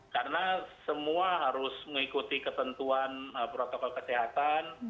karena semua harus mengikuti ketentuan protokol kesehatan